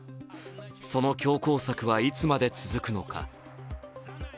その強攻策はいつまで続くのか。